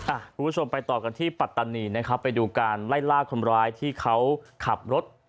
คุณผู้ชมไปต่อกันที่ปัตตานีนะครับไปดูการไล่ล่าคนร้ายที่เขาขับรถ